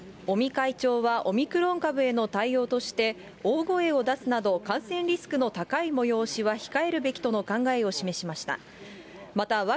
尾身会長はオミクロン株への対応として、大声を出すなど、感染リスクの高い催しは控えるべきとの考えを示しました。